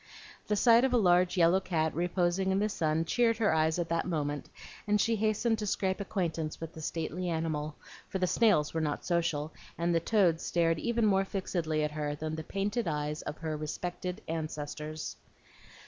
The sight of a large yellow cat reposing in the sun cheered her eyes at that moment, and she hastened to scrape acquaintance with the stately animal; for the snails were not social, and the toads stared even more fixedly at her than the painted eyes of her respected ancestors.